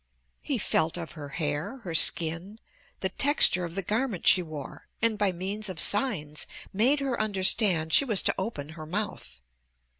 He felt of her hair, her skin, the texture of the garment she wore and by means of signs made her understand she was to open her mouth.